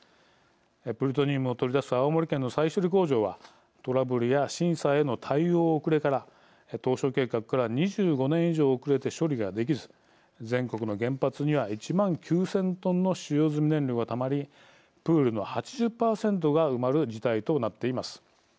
プルトニウムを取り出す青森県の再処理工場はトラブルや審査への対応遅れから当初計画から２５年以上遅れて処理ができず全国の原発には１万９０００トンの使用済み燃料がたまりプールの８０％が埋まる事態となっています。